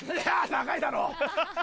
長いだろ！